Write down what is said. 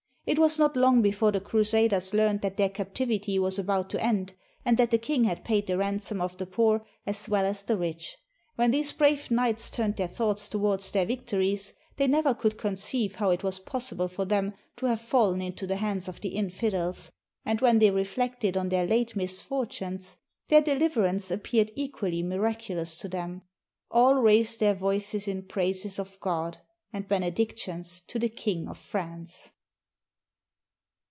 It was not long before the crusaders learned that their captivity was about to end, and that the king had paid the ransom of the poor as well as the rich. When these brave knights turned their thoughts towards their victories, they never could conceive how it was possible for them to have fallen into the hands of the infidels; and when they reflected on their late mis fortunes, their deliverance appeared equally miracu lous to them. All raised their voices in praises to God, and benedictions to the King of France.